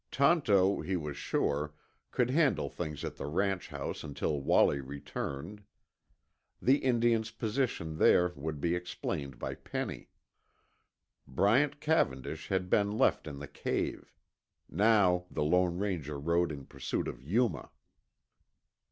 Tonto, he was sure, could handle things at the ranch house until Wallie returned. The Indian's position there would be explained by Penny. Bryant Cavendish had been left in the cave. Now the Lone Ranger rode in pursuit of Yuma.